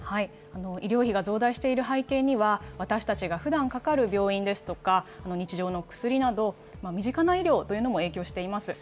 医療費が増大している背景には、私たちがふだんかかる病院ですとか、日常の薬など、身近な医療というのも影響しています。